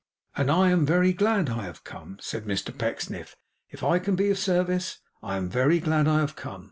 'And I am very glad I have come,' said Mr Pecksniff, 'if I can be of service. I am very glad I have come.